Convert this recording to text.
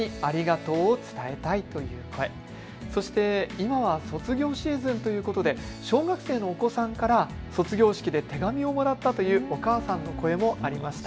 今は卒業シーズンということで小学生のお子さんから卒業式で手紙をもらったというお母さんの声もありました。